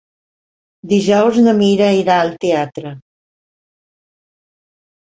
Dijous na Mira irà al teatre.